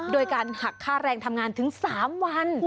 โดยการหักค่าแรงทำงานถึงสามวันโอ้โห